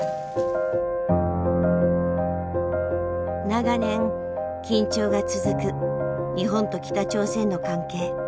長年緊張が続く日本と北朝鮮の関係。